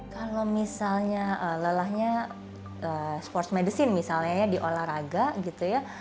kalau misalnya lelahnya sports medicine misalnya ya di olahraga gitu ya